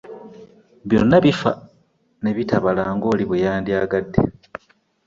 Bifa byonna ne bitabala ng’oli bwe yandyagadde.